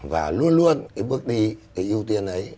và luôn luôn cái bước đi cái ưu tiên ấy